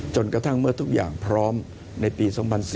จนกระทั่งเมื่อทุกอย่างพร้อมในปี๒๔๙